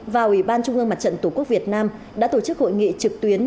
và ủy ban trung ương mặt trận tổ quốc việt nam đã tổ chức hội nghị trực tuyến